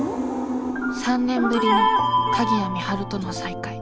３年ぶりの鍵谷美晴との再会。